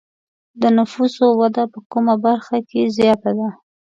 د نفوسو وده په کومه برخه کې زیاته ده؟